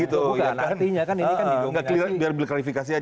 bukan artinya kan ini kan didominasi